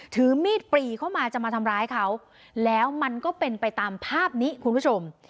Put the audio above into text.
ถือมีดปรีเข้ามาจะมาทำร้ายเขาแล้วมันก็เป็นไปตามภาพนี้คุณผู้ชม